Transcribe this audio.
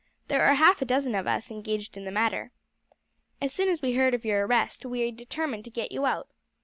There are half a dozen of us engaged in the matter. As soon as we heard of your arrest we determined to get you out.